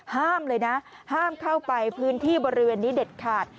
ห้ามเลยนะห้ามเข้าไปพื้นที่บริเวณนี้เด็ดขาด